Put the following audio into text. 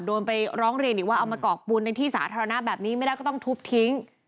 โดนไปร้องเรียนอีกว่าเอามากอกปูนในที่สาธารณะแบบนี้ไม่ได้ก็ต้องทุบทิ้ง